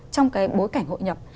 trong cái bối cảnh hội nhập